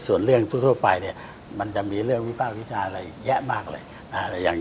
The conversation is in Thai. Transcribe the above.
ส่วนเรื่องทั่วไปมันจะมีเรื่องวิพากษ์วิทยาลัยเยอะมากเลย